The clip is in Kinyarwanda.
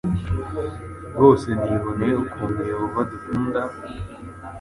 Rwose niboneye ukuntu Yehova adukunda,